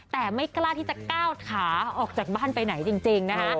แต่ไม่กล้าที่จะก้าวขาออกจากบ้านไปไหนจริงนะคะ